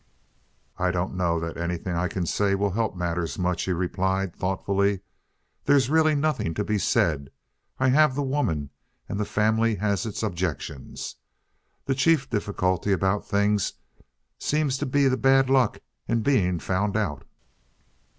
"I don't know that anything I can say will help matters much," he replied thoughtfully. "There's really nothing to be said. I have the woman and the family has its objections. The chief difficulty about the thing seems to be the bad luck in being found out."